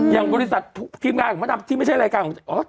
อย่างบริษัททีมงานที่ไม่ใช่รายการ